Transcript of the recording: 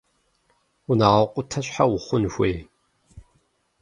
Унагъуэ къутэ щхьэ ухъун хуей?